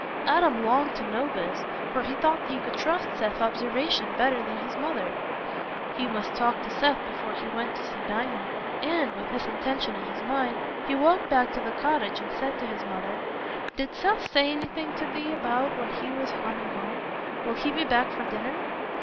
Adam longed to know this, for he thought he could trust Seth's observation better than his mother's. He must talk to Seth before he went to see Dinah, and, with this intention in his mind, he walked back to the cottage and said to his mother, "Did Seth say anything to thee about when he was coming home? Will he be back to dinner?"